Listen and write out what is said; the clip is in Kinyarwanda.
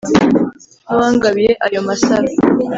n'uwangabiye ayo masaro